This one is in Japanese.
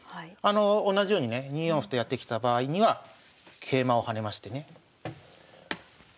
同じようにね２四歩とやってきた場合には桂馬を跳ねましてね。